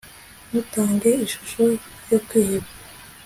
Ntutange ishusho yo kwiheba